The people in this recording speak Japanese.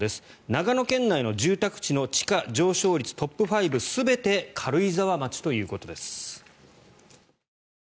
長野県内の住宅地の地価上昇率トップ５全て軽井沢町ということです。